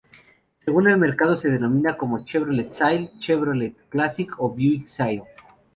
Según el mercado se denomina como Chevrolet Sail, Chevrolet Classic o Buick Sail.